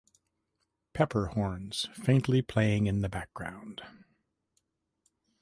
Pepper" horns faintly playing in the background".